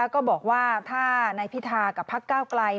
ก็บอกว่าถ้านายพิธากับพักก้าวไกล